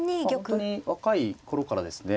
本当に若い頃からですね